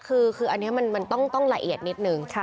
คืออันนี้มันต้องละเอียดนิดนึง